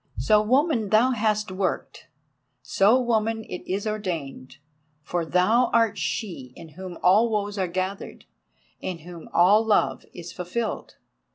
So woman thou hast worked, so woman it is ordained. For thou art she in whom all woes are gathered, in whom all love is fulfilled.